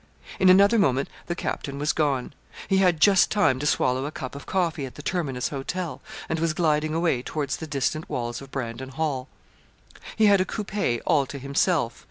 In another moment the captain was gone. He had just time to swallow a cup of coffee at the 'Terminus Hotel,' and was gliding away towards the distant walls of Brandon Hall. He had a coupé all to himself.